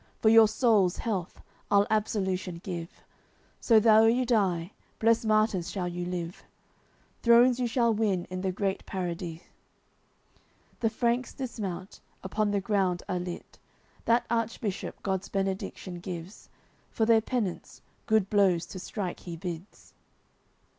For your souls' health, I'll absolution give So, though you die, blest martyrs shall you live, Thrones you shall win in the great Paradis." The Franks dismount, upon the ground are lit. That Archbishop God's Benediction gives, For their penance, good blows to strike he bids.